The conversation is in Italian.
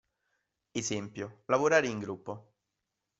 Esempio: lavorare in gruppo.